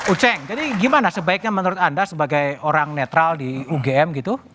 uceng jadi gimana sebaiknya menurut anda sebagai orang netral di ugm gitu